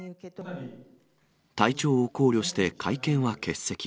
体調を考慮して会見は欠席。